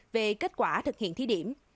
về kết quả thực hiện thí điểm